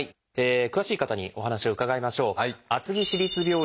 詳しい方にお話を伺いましょう。